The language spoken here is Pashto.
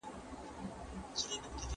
پاڼه په هر ځای کې شته.